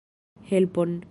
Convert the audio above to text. Helpon!